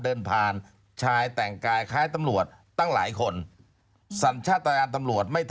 เดินผ่านชายแต่งกายคล้ายตำรวจ